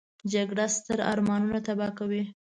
جګړه ستر ارمانونه تباه کوي